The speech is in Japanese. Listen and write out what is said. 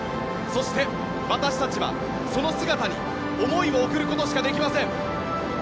そして、私たちはその姿に思いを送ることしかできません。